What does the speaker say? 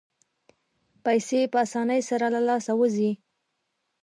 پیسې په اسانۍ سره له لاسه وځي.